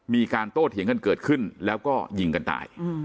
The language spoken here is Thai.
มีการโต้เถียงกันเกิดขึ้นแล้วก็ยิงกันตาย